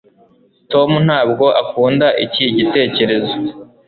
tom ntabwo akunda iki gitekerezo